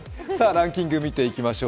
ランキングを見ていきましょう。